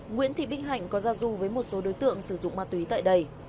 nguyễn thị bích hạnh có gia du với một số đối tượng sử dụng ma túy tại đây